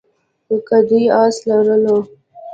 که دوی آس لرلو.